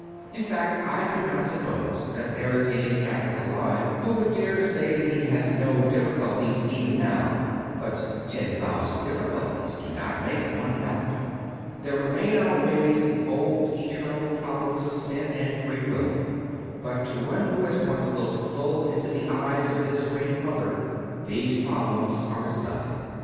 In fact, I do not suppose that there is any Catholic alive who would dare to say that he has no difficulties even now; but "ten thousand difficulties do not make one doubt." There remain always the old eternal problems of sin and free will; but to one who has once looked full into the eyes of this great Mother, these problems are as nothing.